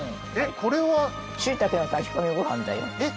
これはシイタケの炊き込みご飯だよえっ